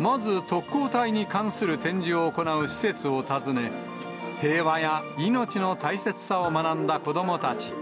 まず、特攻隊に関する展示を行う施設を訪ね、平和や命の大切さを学んだ子どもたち。